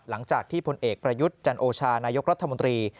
หลังจากที่พลเอกประยุทธ์จันโอชานายกรัฐมนตรี